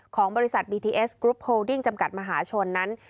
ของบริษัทบีทีเอสจำกัดมหาชนนั้น